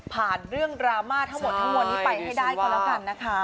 เรื่องดราม่าทั้งหมดทั้งมวลนี้ไปให้ได้ก็แล้วกันนะคะ